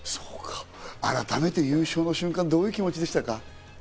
改めて優勝の瞬間はどういう気持ちでしたか？